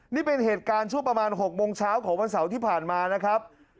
นี่เป็นเหตุการณ์ช่วงประมาณ๖โมงเช้าของวันเสาร์ที่ผ่านมานะครับ